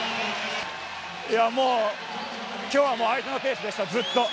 もう、今日は相手のペースでした、ずっと。